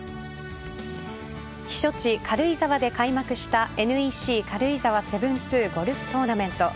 避暑地・軽井沢で開幕したＮＥＣ軽井沢７２ゴルフトーナメント。